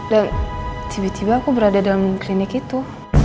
dan tiba tiba aku berada dalam klinik itu